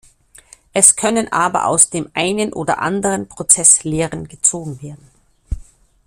Es können aber aus dem einen oder anderen Prozess Lehren gezogen werden.